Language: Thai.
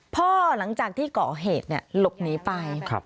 หลังจากที่ก่อเหตุหลบหนีไป